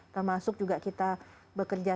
termasuk juga kita bekerja